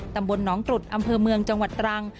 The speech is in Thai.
ตำบลหนองตรุษอำเภอเมืองจังหวัดตรัง